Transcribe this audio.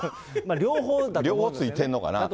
両方ついてるのかな。